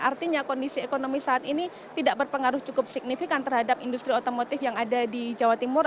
artinya kondisi ekonomi saat ini tidak berpengaruh cukup signifikan terhadap industri otomotif yang ada di jawa timur